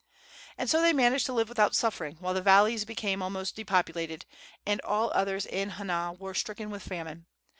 And so they managed to live without suffering, while the valleys became almost depopulated, and all others in Hana were stricken with famine.